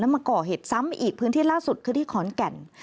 มาก่อเหตุซ้ำอีกพื้นที่ล่าสุดคือที่ขอนแก่น